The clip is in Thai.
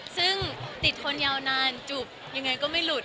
ซึ่งติดคนอย่านานจูบยังไงก็ไม่หลุดค่ะ